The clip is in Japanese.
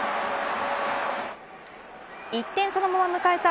１点差のまま迎えた